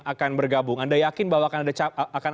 akan bergabung anda yakin bahwa akan